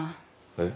えっ？